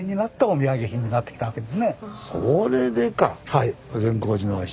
はい。